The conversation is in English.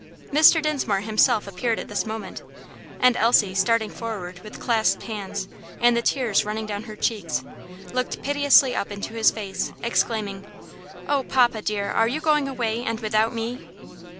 Mr. Dinsmore himself appeared at this moment, and Elsie, starting forward with clasped hands, and the tears running down her cheeks, looked piteously up into his face, exclaiming, "Oh, papa, dear are you going away, and without me?"